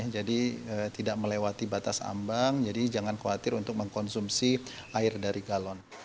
jadi tidak melewati batas ambang jadi jangan khawatir untuk mengkonsumsi air dari galon